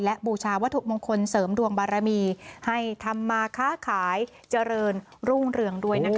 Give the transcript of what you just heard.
และบูชาวัตถุมงคลเสริมดวงบารมีให้ทำมาค้าขายเจริญรุ่งเรืองด้วยนะคะ